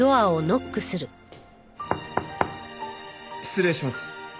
失礼します。